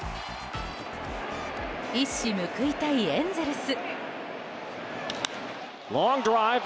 一矢報いたいエンゼルス。